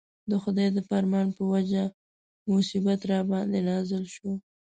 د خدای د فرمان په وجه مصیبت راباندې نازل شو.